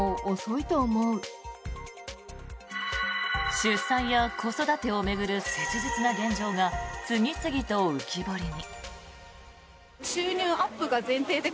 出産や子育てを巡る切実な現状が次々と浮き彫りに。